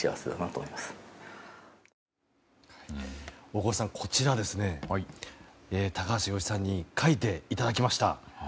大越さん、こちら高橋陽一さんに描いていただきました。